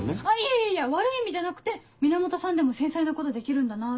いやいや悪い意味じゃなくて源さんでも繊細なことできるんだなって。